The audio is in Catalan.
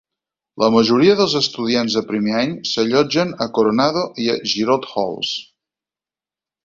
La majoria dels estudiants de primer any s'allotgen a Coronado i Girault Halls.